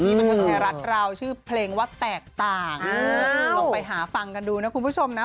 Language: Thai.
นี่มันชื่อไทยรัฐราวชื่อเพลงว่าแตกต่างอ้าวลองไปหาฟังกันดูนะคุณผู้ชมนะ